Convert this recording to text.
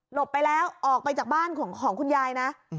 ไปแล้วออกไปจากบ้านของคุณยายนะ